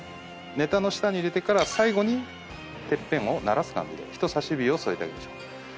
ネタの下に入れてから最後にてっぺんをならす感じで人さし指を添えてあげましょう。